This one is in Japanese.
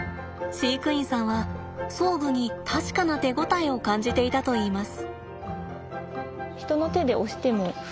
飼育員さんは装具に確かな手応えを感じていたといいます。